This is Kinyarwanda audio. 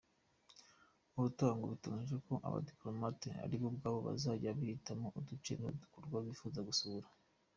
Ubutaha ngo biteganyijwe ko abadipolomate aribo ubwabo bazajya bihitiramo uduce n’ibikorwa bifuza gusura.